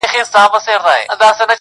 د سختۍ څوک نه مري.